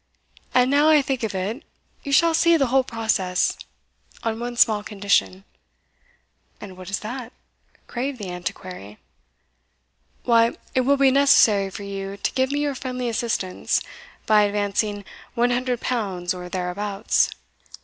"And naow I think of it, you shall see the whole process, on one small condition." "And what is that?" craved the Antiquary. "Why, it will be necessary for you to give me your friendly assistance, by advancing one hundred pounds or thereabouts."